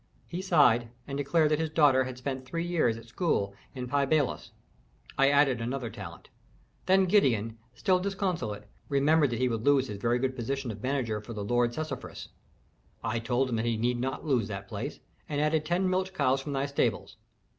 He sighed and declared that his daughter had spent three years at school in Pi Bailos; I added another talent. Then Gideon, still disconsolate, remembered that he would lose his very good position of manager for the lord Sesofris. I told him that he need not lose that place, and added ten milch cows from thy stables.